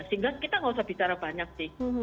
sehingga kita nggak usah bicara banyak sih